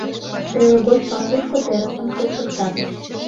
Теле гоч пасушко терысым шупшыктат.